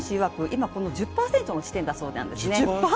今、この１０％の地点なんだそうですね。